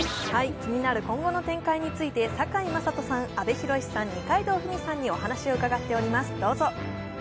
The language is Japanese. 気になる今後の展開について、堺雅人さん、阿部寛さん、二階堂ふみさんにお話を伺っています、どうぞ。